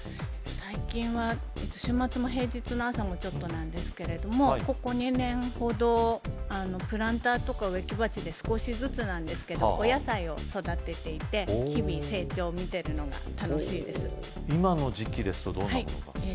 最近は週末も平日の朝もちょっとなんですけれどもここ２年ほどプランターとか植木鉢で少しずつなんですけどお野菜を育てていて日々成長を見てるのが楽しいです今の時季ですとどんなものが？